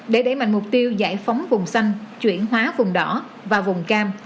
để đẩy mạnh mục tiêu giải phóng vùng xanh chuyển hóa vùng đỏ và vùng cam